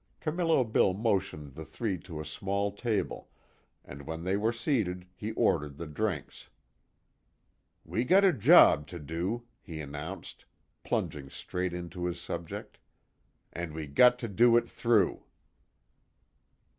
Camillo Bill motioned the three to a small table, and when they were seated he ordered the drinks: "We got a job to do," he announced, plunging straight into his subject, "An' we got to do it thorough."